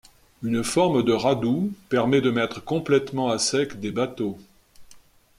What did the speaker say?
Une forme de radoub permet de mettre complètement à sec des bateaux.